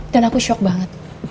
dan aku shock banget